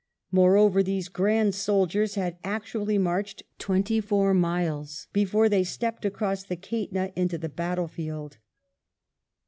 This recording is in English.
Moreover these grand soldiers had actually marched twenty four miles before they stepped across the Kaitna into the battlefield.